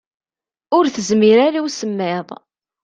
Ur tezmir ara i usemmiḍ.